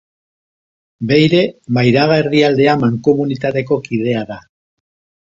Beire, Mairaga-Erdialdea mankomunitateko kidea da.